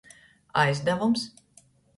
Aizdavums.